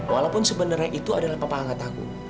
walaupun sebenarnya itu adalah papa angkat aku